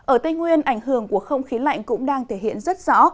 ở tây nguyên ảnh hưởng của không khí lạnh cũng đang thể hiện rất rõ